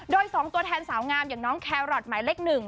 โดยสองตัวแทนสาวงามอย่างน้องแคลอรอตใหม่เล็กหนึ่ง